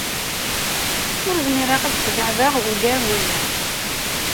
Ur zmireɣ ad sbeɛdeɣ ugar n waya.